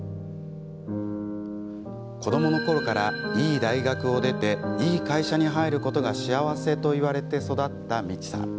子どものころからいい大学を出ていい会社に入ることが幸せと言われて育ったみちさん。